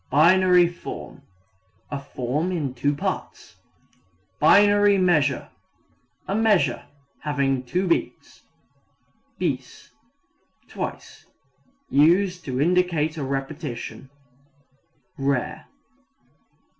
Binary form a form in two parts. Binary measure a measure having two beats. Bis twice. Used to indicate a repetition. (Rare.)